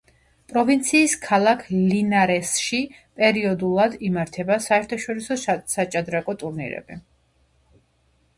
პროვინციის ქალაქ ლინარესში პერიოდულად იმართება საერთაშორისო საჭადრაკო ტურნირები.